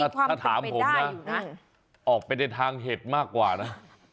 ถ้าถามผมนะออกไปในทางเห็ดมากกว่านะ